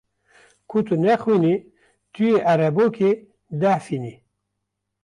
Ku tu nexwînî tu yê erebokê dehfînî.